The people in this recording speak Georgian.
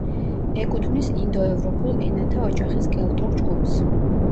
ეკუთვნის ინდოევროპულ ენათა ოჯახის კელტურ ჯგუფს.